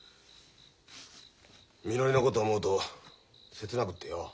みのりのこと思うとせつなくってよ。